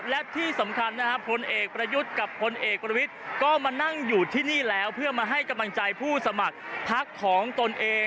และที่สำคัญนะครับผลเอกประยุทธ์กับพลเอกประวิทย์ก็มานั่งอยู่ที่นี่แล้วเพื่อมาให้กำลังใจผู้สมัครพักของตนเอง